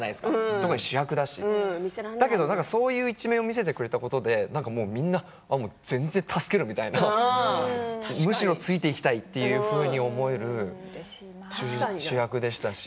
特に主役だしそういう一面を見せてくれたことで全然助けるみたいなむしろ、ついていきたいと思える主役でしたし。